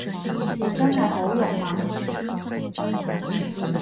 你真係好肉麻